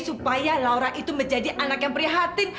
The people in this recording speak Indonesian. supaya laura itu menjadi anak yang prihatin